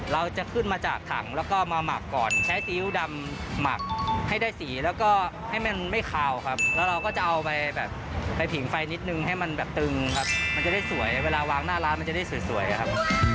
เราจะขึ้นมาจากถังแล้วก็มาหมักก่อนใช้ซีอิ๊วดำหมักให้ได้สีแล้วก็ให้มันไม่คาวครับแล้วเราก็จะเอาไปแบบไปผิงไฟนิดนึงให้มันแบบตึงครับมันจะได้สวยเวลาวางหน้าร้านมันจะได้สวยอะครับ